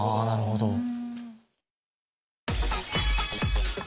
なるほど。